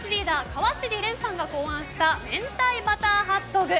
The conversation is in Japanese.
川尻蓮さんが考案した明太バターハットグ。